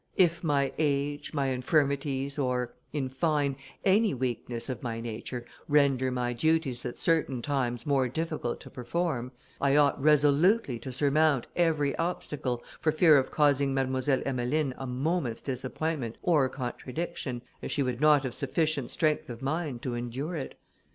If my age, my infirmities, or, in fine, any weakness of my nature, render my duties at certain time more difficult to perform, I ought resolutely to surmount every obstacle, for fear of causing Mademoiselle Emmeline a moment's disappointment or contradiction, as she would not have sufficient strength of mind to endure it.